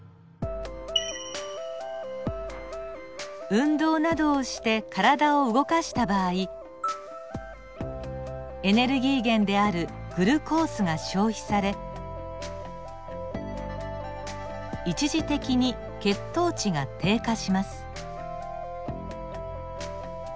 運動などをして体を動かした場合エネルギー源であるグルコースが消費され一時的に血糖値が低下します。